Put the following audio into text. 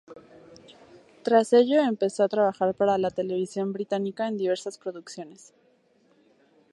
Tras ello empezó a trabajar para la televisión británica en diversas producciones.